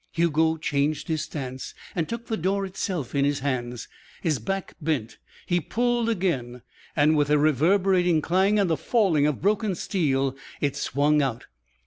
Hugo changed his stance and took the door itself in his hands. His back bent. He pulled again. With a reverberating clang and a falling of broken steel it swung out.